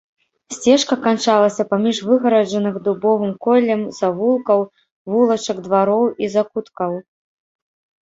Сцежка канчалася паміж выгараджаных дубовым коллем завулкаў, вулачак, двароў і закуткаў.